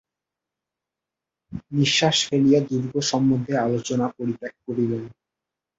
নিশ্বাস ফেলিয়া দুর্গ সম্বন্ধে আলোচনা পরিত্যাগ করিলেন।